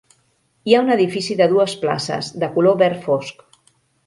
Hi ha un edifici de dues places, de color verd fosc.